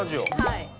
はい。